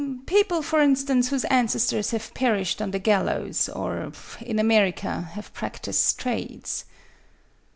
" People, for instance, whose ancestors have perished on the gallows, or, in America, have practised trades."